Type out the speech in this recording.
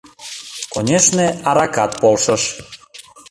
Конешне, аракат полшыш.